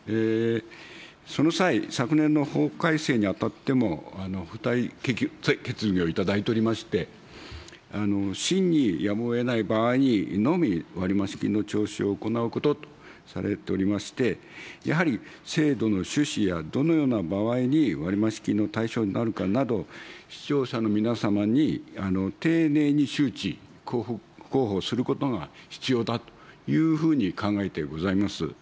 その際、昨年の法改正にあたっても、付帯決議をいただいておりまして、真にやむをえない場合にのみ割増金の徴収を行うこととされておりまして、やはり制度の趣旨やどのような場合に割増金の対象になるかなど、視聴者の皆様に丁寧に周知、広報することが必要だというふうに考えてございます。